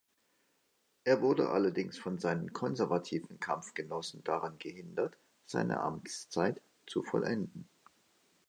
Er wurde allerdings von seinen konservativen Kampfgenossen daran gehindert seine Amtszeit zu vollenden.